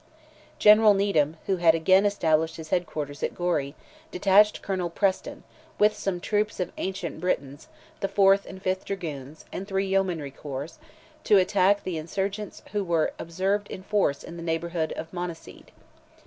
General Needham, who had again established his head quarters at Gorey, detached Colonel Preston, with some troops of Ancient Britons, the 4th and 5th dragoons, and three yeomanry corps, to attack the insurgents who were observed in force in the neighbourhood of Monaseed.